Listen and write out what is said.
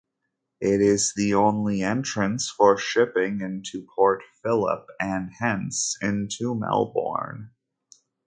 It is the only entrance for shipping into Port Phillip and hence into Melbourne.